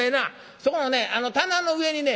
そこの棚の上にね